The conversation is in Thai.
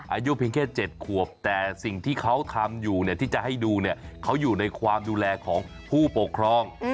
อายุเพียงแค่๗ขวบแต่สิ่งที่เขาทำอยู่เนี่ยที่จะให้ดูเนี่ยเขาอยู่ในความดูแลของผู้ปกครอง